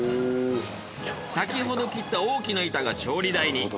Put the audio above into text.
先ほど切った大きな板が調理台に。